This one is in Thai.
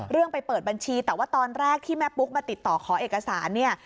ไปเปิดบัญชีแต่ว่าตอนแรกที่แม่ปุ๊กมาติดต่อขอเอกสารเนี่ย